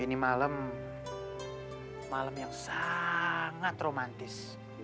ini malam malam yang sangat romantis